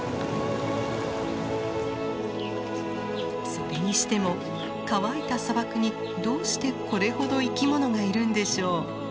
それにしても乾いた砂漠にどうしてこれほど生き物がいるんでしょう？